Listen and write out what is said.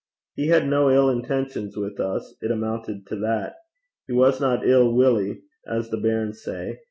He had no ill intentions wi' us it amuntit to that. He wasna ill willy, as the bairns say.